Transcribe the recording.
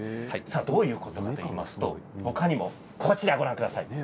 どういうことかといいますと他にもこちらをご覧ください。